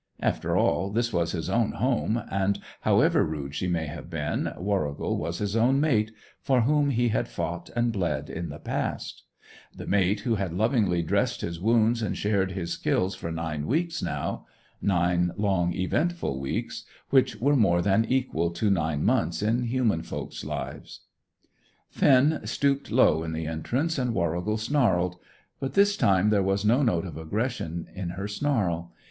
After all, this was his own home and, however rude she may have been, Warrigal was his own mate, for whom he had fought and bled in the past; the mate who had lovingly dressed his wounds and shared his kills for nine weeks now nine long, eventful weeks, which were more than equal to nine months in human folk's lives. Finn stooped low in the entrance and Warrigal snarled. But this time there was no note of aggression in her snarl.